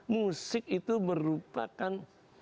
musik itu merupakan